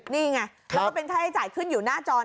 นี่ไงแล้วก็เป็นค่าใช้จ่ายขึ้นอยู่หน้าจอ